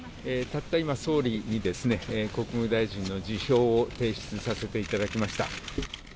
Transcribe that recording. たった今、総理に国務大臣の辞表を提出させていただきました。